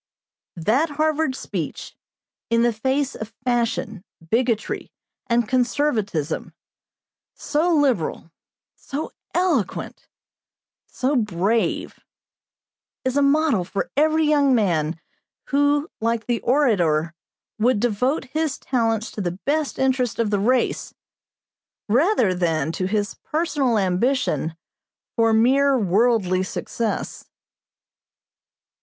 '" That Harvard speech in the face of fashion, bigotry, and conservatism so liberal, so eloquent, so brave is a model for every young man, who, like the orator, would devote his talents to the best interests of the race, rather than to his personal ambition for mere worldly success.